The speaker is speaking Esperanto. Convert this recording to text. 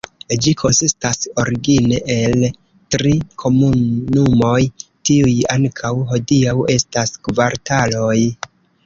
Ĝi konsistas origine el tri komunumoj, kiuj ankaŭ hodiaŭ estas kvartaloj.